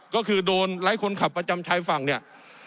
ก็คือโดนไร้คนขับประจำชายฝั่งเนี่ย